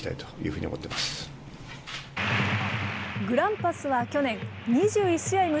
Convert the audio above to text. グランパスは去年、２１試合